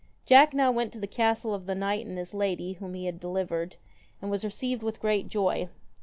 Jack now went to the castle of the knight and his lady whom he had delivered, and was received with great joy.